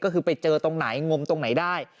ก็คือไปเจอตรงไหนงมตรงไหนได้